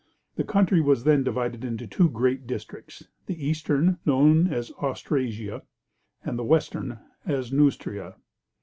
The country was then divided into two great districts the eastern, known as Austrasia; and the western, as Neustria.